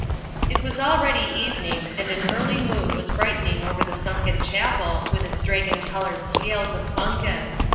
It was already evening, and an early moon was brightening over the simken chapel with its dragon coloured scales of f imgus.